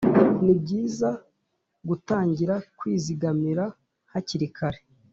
Nibyiza gutangira kwizigamira hakiri kare